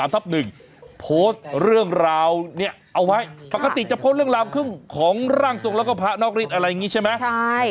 โพสต์เรื่องราวนี้เอาไว้ปกติจะโพสต์เรื่องราวครึ่งของร่างทรงแล้วก็พระนอกฤทธิอะไรอย่างนี้ใช่ไหม